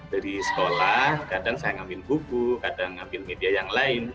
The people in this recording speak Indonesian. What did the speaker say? dari sekolah kadang saya ngambil buku kadang ngambil media yang lain